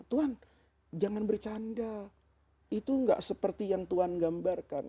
tuhan jangan bercanda itu nggak seperti yang tuhan gambarkan